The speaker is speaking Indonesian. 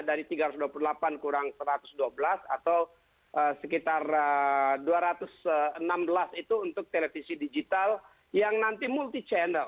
dari tiga ratus dua puluh delapan kurang satu ratus dua belas atau sekitar dua ratus enam belas itu untuk televisi digital yang nanti multi channel